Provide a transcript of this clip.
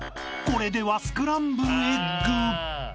［これではスクランブルエッグ］